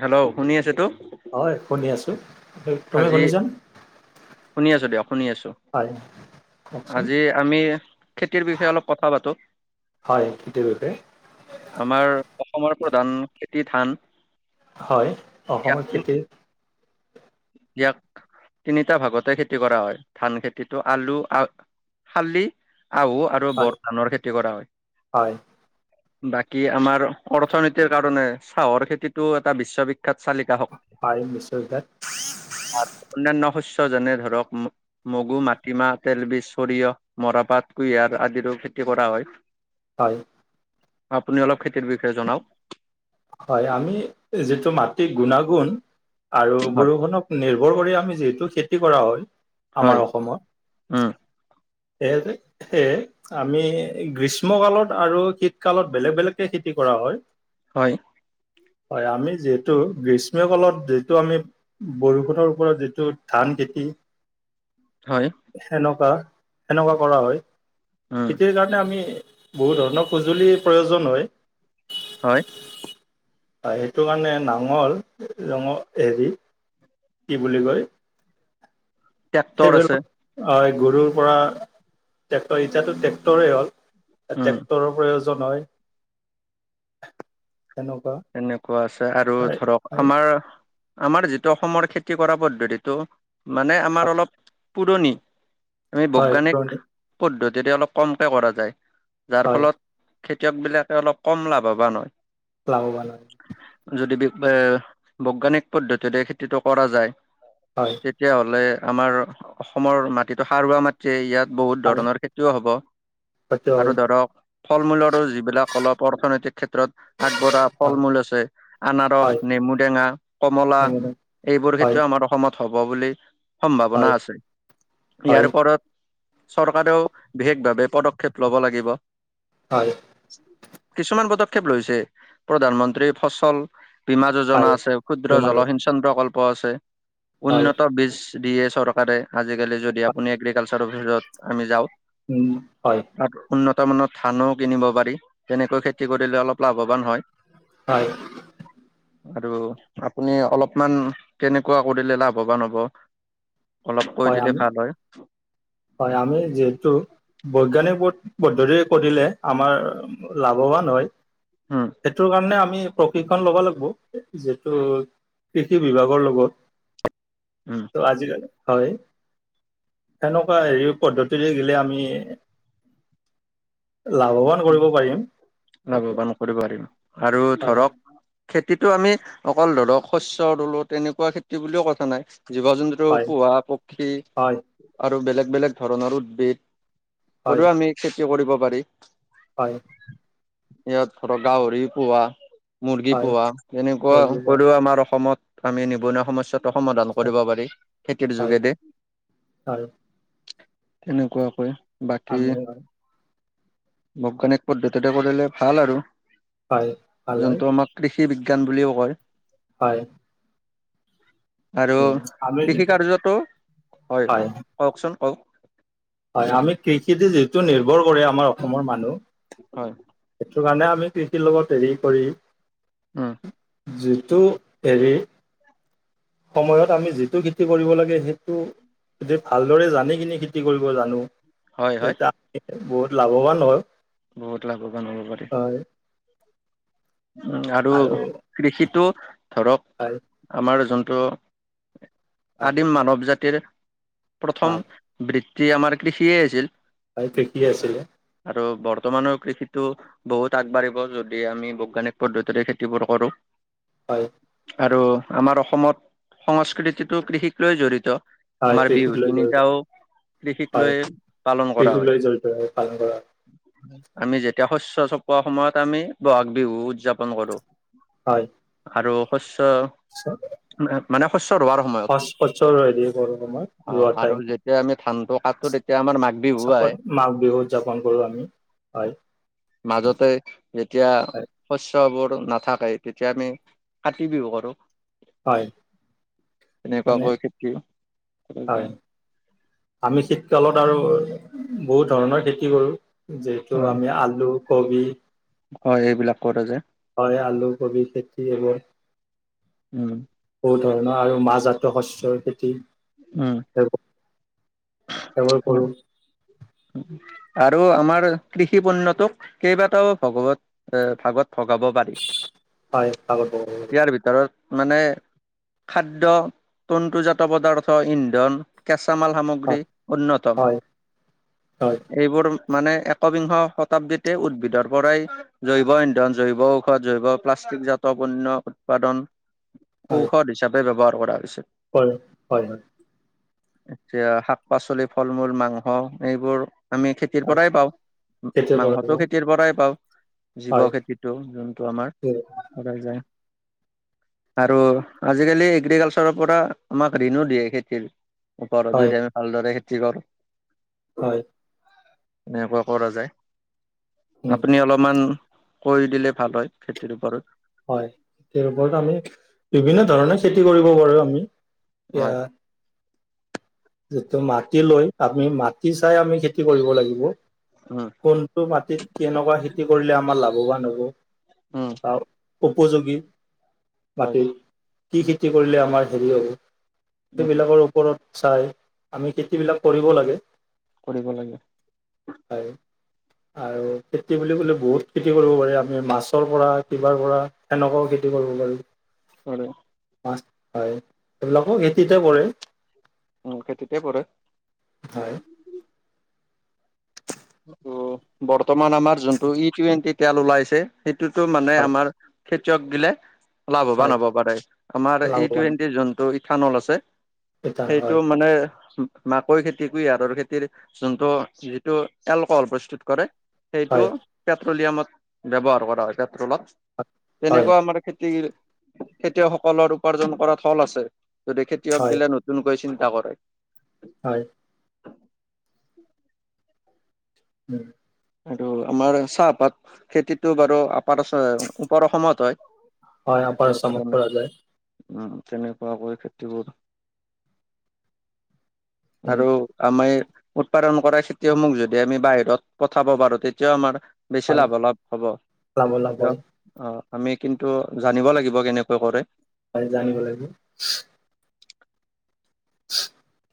Hello শুনি আছে তো হয় শুনি আছো আজি শুনি আছো দিয় শুনি আছো হয় কওকচোন। আজি আমি খেতিৰ বিষয়ে অলপ কথা পাতো হয় খেতিৰ বিষয়ে। আমাৰ অসমৰ প্ৰধান খেতি ধান হয় ইয়াক অসমৰ তিন- থ ইয়াক তিনিটা ভাগতে খেতি কৰা হয় ধান খেতিতটো আলু আহ শালি আহু আৰু হয় বৰধানৰ খেতি কৰা হয় হয় বাকী আমাৰ অৰ্থনীতিৰ কাৰণে চাহৰ খেতিতটো এটা বিশ্ববিখ্যাত চালিকা শক্তি হাই মিষ্ট ভ আৰু অন্যানয় শস্্য যেনে ধৰক মগু মাটিমাহ তেলবিজ সৰিয়হ মৰা পাত কুঁহিয়াৰ আদিৰো খেতি কৰা হয় হয় আপুনি অলপ খেতিৰ বিষয়ে জনাওক হয় আমি যিটো মাটি গুণাগুণ আৰু হয় বৰষুণক নিৰ্ভৰ কৰি আমি যিহেতু খেতি কৰা হয় হয় আমাৰ অসমত উম স সেয়ে আমি গ্ৰীষ্ম কালত আৰু শীতকালত বেলেগ বেলেগকে খেতি কৰা হয় হয়। হয় আমি যিহেতু গ্ৰীষ্ম কালত যিেতটো আমি বৰষুণৰ ওপৰত যিটো ধান খেতি হয়, সনেকুৱা সেনেকুৱা কৰা হয় উম, খেতিৰ কাৰণে আমি বহু ধৰণৰ সঁজুলিৰ প্ৰয়োজন হয় হয় সেইটো কাৰণে নাঙলঙ হেৰি কি বুলি কয়? টেক্টৰ আছে। সেইবিলাক হয় গৰুৰ পৰা ট্ৰেক্টৰ এতিয়াতো, ট্ৰেক্টৰেই হ'ল, উম, ট্ৰেক্টৰ পৰাও হয়। তেনেকুৱা এনেকুৱা আছে। আৰু হয় ধৰক হয় আমাৰ আমাৰ যিটো অসমৰ খেতি কৰা পদ্ধতিটো মানে আমাৰ অলপ পুৰণি। আমি হয় বৈজ্ঞানিক পুৰণি পদ্ধতিৰে অলপ কমকে কৰা যায়, যাৰ হয় ফলত খেতিয়ক বিলাকে অলপ কম লাভৱান হয়। লভবান, হ। যদি বি এ, বৈজ্ঞানিক পদ্ধতিৰে খেতিতটো কৰা যায় হয় তেতিয়াহলে আমাৰ অসমৰ মাটিটো সাৰুৱা মাটৃয়ে ইয়াত বহুত ভাল ধৰণৰ খেতিও হ'ব। সত্য আৰু হয় ধৰক ফল, মূলৰো যিবিলাক অলপ অৰ্থনৈতিক ক্ষেত্ৰত আগবঢ় ফল, হয় মূল আছে, আনাৰস, হয় হয় নেমুটেঙা, কমলা হয় হয় এইবোৰ হয় খেতিয় আমাৰ অসমত হ'ব বুলি সম্ভাৱনা হয় আছে, ইয়াৰওৰত চৰকাৰেও বিশেষভাৱে পদক্ষেপ ল'ব লাগিব। কিছুমান পদক্ষেপ লৈছে প্ৰধানমন্ত্ৰীৰ ফচল বীমা যোজনা হয় আছে, ক্ষুদ্ৰ হয় জলসিঞ্চন প্ৰকল্প আছে, হয় উন্নত বীজ দিয়ে চৰকাৰে, আজিকালি যদি আপুনি এগ্ৰিকালচাৰ অফিচত আমি যাওঁক। উম, হয়। বৰ্তামানত ধানো কিনিব পাৰি, তেনেকৈ খেতি কৰিলে অলপ লাভৱান হয়। হয়। আৰু আপুনি অলপমান কেনেকুৱা কৰিলে লাভৱান হ'ব। অলপ কৈ হয়, দিলে আমি ভাল হয় হয়, আমি যিহেতু বৈজ্ঞানিক পদ্ধতিৰে কৰিলে আমাৰ লাভৱান হয়। উম, সেইটোৰ কাৰণে আমি প্ৰশিক্ষণ ল'ব লাগিব যিহেতু কৃষি বিভাগৰ লগত উম, ত, আজিকালি হয়। সেনেকুৱা হেৰি পদ্ধতিৰে গিলে আমি লাভৱান কৰিব পাৰিম এইটো লাভবান কৰিব পাৰিম আৰু হয় ধৰক খেত খেতিটো আমি অকল ধৰক শস্য ৰুলো তেনেকুৱা খেতি বুলিও কথা নাই। জীৱ, জন্তু হয় পুহা পক্ষী হয় আৰু বেলেগ, বেলেগ ধৰণৰ উদ্ভিদ হয় কৰিও আমি খেতি কৰিব পাৰি। হয়। ইয় থৰা গাহৰি পুহা মুৰ্গী হয় পোহা তেনেকুৱা কৰিব পৰা কৰি'ও আমাৰ অসমত আমি নিবনুৱা সমস্যাত সমাধান পিছত কৰিব পাৰি খেতিৰ হয় যোগেদি। হয় তেনেকুৱাকৈ বাকী আমি হয় বৈজ্ঞানিক পদ্ধতিটো কৰিলে ভাল আৰু। হয় ভাল হয়। যোনটো আমাক কৃষি বিজ্ঞান বুলিও কয়। হয়। আৰু উম আমি কৃষি কাৰ্যতো, হয় কওঁকচোন কওঁক হয়, আমি কৃষিতে যিটো নিৰ্ভৰ কৰি আমাৰ অসমৰ মানুহ হয়। তু, কাৰণে আমি কৃষিৰ লগত হেৰি কৰি উম। যিটো হেৰি সময়ত আমি যিটো খেতি কৰিব লাগে সেইটো এ, ভালদৰে জানি, কিনি খেতি কৰিব জানো। হয় হয় এটোয়া আমি বহুত লাভৱান হয়। বহুত লাভৱান হ'ব পাৰে। হয় উম, আৰু কৃষিতো ধৰক হয় আমাৰ যোনটো, হয় আদিম মানৱ জাতিৰ প্ৰথম হয় বৃত্তি আমাৰ কৃষিয়ে আছিল। হয়, কৃষিয়ে আছিলে। আৰু বৰ্তমানৰ কৃষিতো বহুত আগবাঢ়িব, যদি আমি বৈজ্ঞানিক পদ্ধতিৰে খেতিবোৰ কৰোঁ। হয়। আৰু আমাৰ অসমত সংস্কৃতিটো কৃষিক লৈয়ে জড়িত। হয় আমাৰ কৃষিক বিহু লৈ জড়িত তিনিটাও কৃষিক হয় লৈয়ে পালন কৰা কৃষিক হয়। লৈ জড়িত হৈ পালন কৰা আমি যেতিয়া শস্য চপোৱা সময়ত আমি বহাগ বিহু উদযাপন কৰোঁ। হয়। আৰু শস্য, মানে শ স্য ৰোৱাৰ সময়ত, ফাৰ্ষ্ট বছৰ হেৰি কৰো মই অ', ৰোৱা আৰু টাইম যেতিয়া আমি ধানটো কাটো তেতিয়া আমাৰ মাঘ বিহ চাপত, মাঘ বিহু উদযাপন কৰোঁ আমি, হয়। মাজতে যেতিয়া হয় শস্ শস্যবোৰ নাথাকে, তেতিয়া আমি কাতি বিহু কৰোঁ। হয়। মানে, খেতি কৰা যায়। হয়, আমি শীত কালত আৰু বহুত ধৰণৰ খেতি কৰোঁ, যিহেতু হয় আমি আলু, কবি হয়, এইবিলাক কৰে যে। হয়, আলু, কবি খেতি এইবোৰ উম। বহুত ধৰণৰ, আৰু মাহ জাতীয় শস্যৰ খেতি উম সেইবোৰ সেইবোৰ হয় কৰোঁ আৰু আমাৰ কৃষি পণ্যটোক কেইবাটাও ভগৱত-ভাগত ভগাব পাৰি, হয় আগত ইয়াৰ ভিতৰত মানে খাদ্য, তন্তুজাত পদাৰ্থ, ইন্ধন, কেঁচা মাল গ্ৰী হয় অন্যতম, হয় হয় এইবোৰ মানে একবিংশ শতাব্দীতে উদ্ভিদৰ পৰাই জৈৱ ইন্ধন, জৈৱ ঔষধ, জৈৱ প্লাষ্টিক জাত পণ্য উৎপাদন, ঔষধ হিচাপে ব্যৱহাৰ কৰা হৈছে। হয়, হয় হয়। এতিয়া শাক পাচলি, ফল মূল, মাংস, এইবোৰ আমি খেতিৰ হয় পৰাই পাওঁ, খেতিৰ পৰা মাংসটো হয় খেতিৰ পৰাই পাওঁ। জীৱ খেতিটো, যোনটো আমাৰ হয় কৰা যায়। আৰু আজিকালি এগ্ৰিকালচাৰৰ পৰা আমাক ঋণো দিয়ে খেতিৰ। ওপৰত হয় যদি আমি ভালদৰে খেতি কৰোঁ। হয়। এনেকুৱা কৰা যায়, উম আপুনি অলপমান কৰি দিলে ভাল হয়, খেতিৰ ওপৰত। হয়, খেতিৰ ওপৰত আমি, বিভিন্ন ধৰণে খেতি কৰিব পাৰোঁ আমি। এতিয়া হয় যিহেতু মাটি লৈ, আমি মাটি চাই আমি খেতি কৰিব লাগিব। উম কোনটো মাটিত কেনেকুৱা খেতি কৰিলে আমাৰ লাভৱান হ'ব। উম। বা উপযোগী হয় মাটি, কি খেতি কৰিলে আমাৰ হেৰি হ'ব। উম সেইবিলাকৰ ওপৰত চাই, আমি খেতিবিলাক কৰিব লাগে। কৰিব লাগে। হয় আৰু খেতি বুলি ক'লে বহুত খেতি কৰিব পাৰি, আমি মাছৰ পৰা কিবাৰ পৰা সেনেকুৱাও খেতি খেতি কৰিব পাৰোঁ। হয়। হয়, এইবিলাকো খেতিতে পৰে। উম, খেতিতে পৰে। হয়। ত'বৰ্তমান আমাৰ যোনটো ই টুৱেণ্টি তেল ওলাইছেই সেইটো মানে হয় আমাৰ খেতিয়ক গিলে লাভৱান হয় হব পাৰে, আমাৰ ই লাভৱান টুৱেণ্টিৰ জোনটো ইথানল আছে এটা সেইটো হয় মানে মাকৈ খেতি কৰি [unintelligible] খেতিৰ যোনটো, যিটো এলকহল প্ৰস্তুত কৰে, সেইটো হয় পেট্ৰলিয়ামত ব্যৱহাৰ কৰা হয় পেট্ৰলত। হয় তেনেকুৱা আমাৰ খেতিৰ খেতিয়কসকলৰ উপাৰ্জন কৰা থল আছে। যদি খেতিয়ক হয় গিলা নতুনকৈ চিন্তা কৰে। হয়। উম, আৰু আমাৰ চাহপাত খেতিটো বাৰু আপাৰ আছা ওপৰ অসমত হয়। হয়, আপাৰ সেইটো আসামত কাৰণে কৰা যায়। তেনেকুৱাকৈ খেতিবোৰ উম আৰু আমাৰ উৎপাদন কৰা খেতিসমূহ যদিহে আমি বাহিৰত পঠাব পাৰো তেতিয়াও আমাৰ বেছি হয় লাভ লাভ হ'ব, লাভ লাভ কিন্তু, হয় অ', আমি কিন্তু জানিব লাগিব কেনেকৈ কৰে। হয়, জানিব লাগিব। [unintelligible]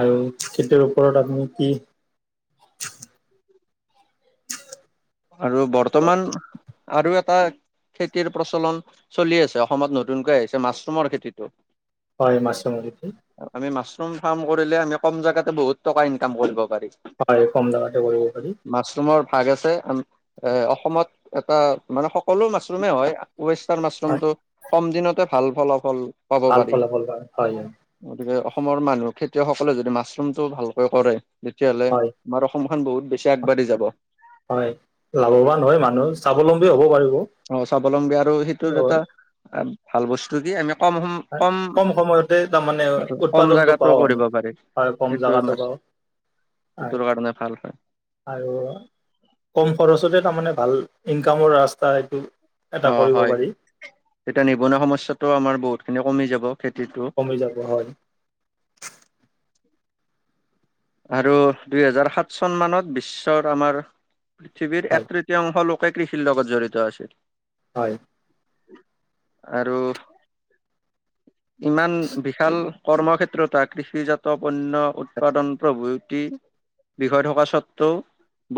আৰু খেতিৰ ওপৰত আপুনি কি আৰু বৰ্তমান, আৰু এটা এটা খেতিৰ প্ৰচলন চলি আছে, অসমত নতুনকৈ আহিছে মাছৰুমৰ খেতিটো। হয়, মাছৰুম খেতি। ফ্ৰম-ফ্ৰাম কৰিলে আমি কম বহুত টকা ইনকাম কৰিব পাৰি, হয় কম জাগাতে কৰিব পাৰি মাছৰুমৰ ভাগ আছে, এ, অসমত এটা মানে সকলো মাছৰুমেই হয়, ৱেষ্টাৰ্ণ হয় মাছৰুমটো কম দিনতে ভাল ফলাফল পাব ভাল পাৰি। ফলাফল পায় হয় গতিকে অসমৰ মানুহ খেতিয়কসকলে যদি মাছৰুমটো ভালকৈ কৰে, তেতিয়াহ'লে হয় আমাৰ অসম খন বহুত বেছি আগবাঢ়ি যাব। হয়, লাভৱান হয় মানুহ স্বাৱলম্বী হ'ব পাৰে অ, স্বাৱলম্বী, আৰু সেইটোৰ এটা ভাল বস্তু কি আমি কম সম কম সময়তে তাৰমানে আৰু কম উৎপাদনটো জাগাতো পাও আমি। কৰিব পাৰি হয়, কম সেইটো জাগাটো মাছ বাৰু। হয়, সেইটোৰ কাৰণে ভাল হয় আৰু, কম খৰচতে তাৰমানে ভাল ইনকামৰ ৰাস্তা এইটো। এটা অ', কৰিব হয়, পাৰি তেতিয়া নিবনুৱা সমস্যাটো আমাৰ বহুতখিনি কমি যাব। খেতিটো কমি যাব হয়। আৰু দুই হাজাৰ সাত চন মানত বিশ্বৰ আমাৰ পৃথিৱীৰ হয় এক তৃতীয়াংশ লোকেই কৃষিৰ লগত জড়িত আছিল। হয়। আৰু ইমান বিশাল কৰ্মক্ষেত্ৰতা, কৃষিজাত পণ্য উৎপাদন প্ৰভূতিৰ বিষয় থকা স্বত্বেও,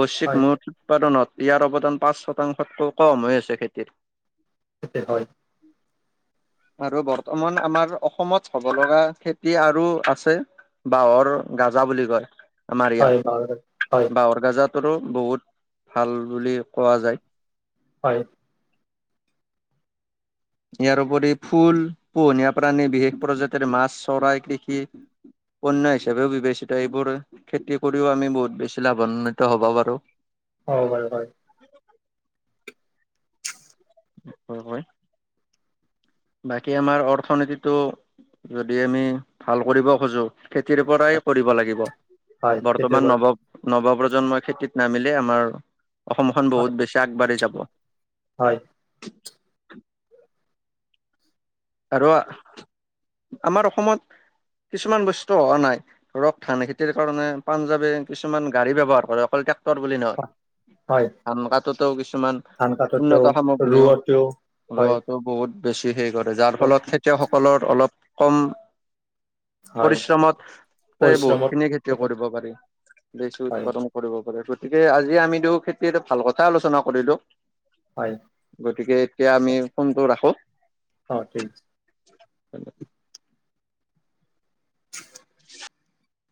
বৈশ্বিক হয় মুঠ উৎপাদনত ইয়াৰ অৱদান পাঁচ শতাংশতকৈ কম হৈ আছে খেতিৰ। [unintelligible] হয়, আৰু বৰ্তমান আমাৰ অসমত হব লগা খেতি আৰু আছে। বাঁহৰ গাজা বুলি কয়, আমাৰ হয় ইয়াত, হয় বাঁহৰ গাজাত টোৰো বহুত ভাল বুলি কোৱা যায়। হয়। ইয়াৰওপৰি ফুল পোহনীয়া প্ৰাণী বিশেষ প্ৰজাতিৰ মাছ চৰাই কৃষি। পন্য হিচাপেও বিবেচিত। এইবোৰ খেতি কৰিও আমি বহুত বেছি লাভান্বিত হ'ব পাৰোঁ। হ'ব পাৰো হয়। হয়, হয়। বাকী আমাৰ অৰ্থনীতিটো যদি আমি ভাল কৰিব খোজো। খেতিৰ পৰাই কৰিব লাগিব হয় খেতিৰ বৰ্তমান পৰা নৱ নৱ প্ৰজন্ম খেতিত নামিলে আমাৰ অসমখন হয় বহুত বেছি আগবাঢ়ি যাব। হয় আৰু আমাৰ অসমত কিছুমান বস্তু হোৱা নাই ধৰক ধান খেতিৰ কাৰণে পাঞ্জাৱে কিছুমান গাড়ী ব্যৱহাৰ কৰে। অকল তৰ বুলি নহয়। হয় ধান কাটোতো কিছুমান ধান উন্নত কাটোতেও সামগ্ৰীও ৰোৱতেও হয় ৰোৱাতো বহুত বেছি হেৰি কৰে যাৰ বহুত ফলত খেতিয়কসকলৰ অলপ কম হয় পৰিশ্ৰমতকৈ পৰিশ্ৰমত বহুতখিনি খেতি হয় কৰিব পাৰি। বছি হয় উৎপাদন কৰিব পাৰে। গতিকে আজি আমিো খেতি এটা ভাল কথা আলোচনা কৰিলোঁ। হয়। গতিকে এতিয়া আমি ফোনটো ৰাখো। অ', ঠিক আছে। [inaudible]